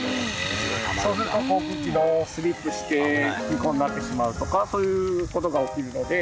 そうすると航空機がスリップして事故になってしまうとかそういう事が起きるので。